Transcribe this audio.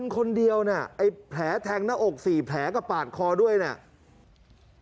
คนเดียวเนี่ยไอ้แผลแทงหน้าอก๔แผลกับปาดคอด้วยเนี่ย